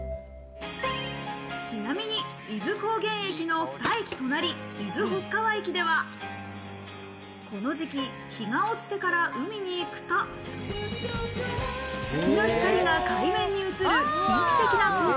ちなみに伊豆高原駅の２駅隣、伊豆北川駅では、この時期、日が落ちてから海に行くと、月の光が海面に映る神秘的な光景。